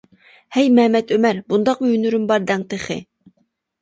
ھەي مەمەت ئۆمەر. بۇنداقمۇ ھۈنىرىم بار دەڭ تېخى.